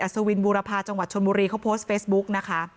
สวินบูรพาจังหวัดชนบุรีเขาโพสต์เฟซบุ๊กนะคะ